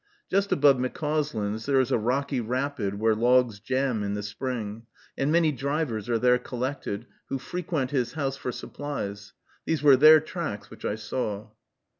Just above McCauslin's, there is a rocky rapid, where logs jam in the spring; and many "drivers" are there collected, who frequent his house for supplies; these were their tracks which I saw.